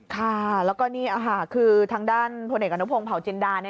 ค่ะแล้วก็นี่ค่ะคือทางด้านพลเอกอนุพงศ์เผาจินดา